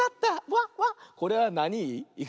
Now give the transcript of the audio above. これはなに「い」？